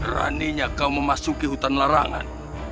rani nya kau memasuki hutan larangan